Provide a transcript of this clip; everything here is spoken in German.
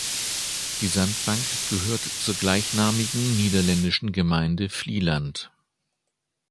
Die Sandbank gehört zur gleichnamigen niederländischen Gemeinde Vlieland.